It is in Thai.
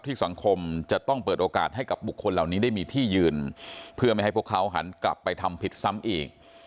สังคมจะต้องเปิดโอกาสให้กับบุคคลเหล่านี้ได้มีที่ยืนเพื่อไม่ให้พวกเขาหันกลับไปทำผิดซ้ำอีก